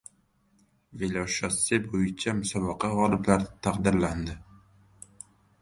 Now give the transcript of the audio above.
Veloshosse bӯyicha musobaqa g‘oliblari taqdirlandi